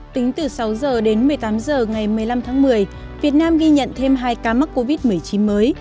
tính từ sáu h đến một mươi tám h ngày một mươi năm tháng một mươi việt nam ghi nhận thêm hai ca mắc covid một mươi chín mới